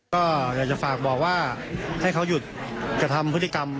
ก็อยากจะฝากบอกว่าให้เขาหยุดกระทำพฤติกรรม